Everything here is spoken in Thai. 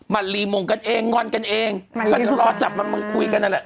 มันรีมงกันเองงอนกันเองก็เดี๋ยวรอจับมันมึงคุยกันนั่นแหละ